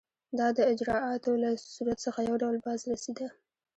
دا د اجرااتو له صورت څخه یو ډول بازرسي ده.